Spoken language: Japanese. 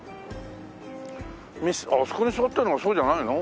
ミスあそこに座ってるのがそうじゃないの？